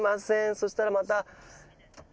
そしたらまた。